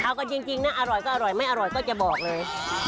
เอากันจริงนะอร่อยก็อร่อยไม่อร่อยก็จะบอกเลย